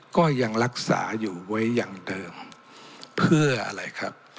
ก็ยังรักษาอยู่ไว้อย่างเดิมเพื่ออะไรครับ